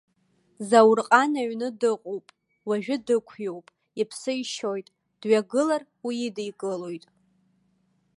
Заурҟан аҩны дыҟоуп, уажәы дықәиоуп, иԥсы ишьоит, дҩагылар, уидикылоит.